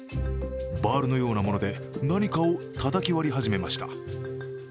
バールのようなもので何かをたたき割り始めました。